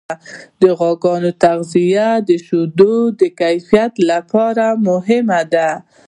د غواګانو تغذیه د شیدو د کیفیت لپاره مهمه ده.